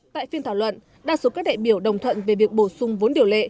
tại phiên thảo luận đa số các đại biểu đồng thuận về việc bổ sung vốn điều lệ